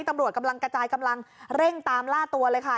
ตำรวจกำลังกระจายกำลังเร่งตามล่าตัวเลยค่ะ